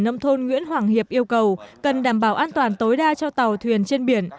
nông thôn nguyễn hoàng hiệp yêu cầu cần đảm bảo an toàn tối đa cho tàu thuyền trên biển